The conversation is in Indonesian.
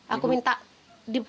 aku minta dipunyai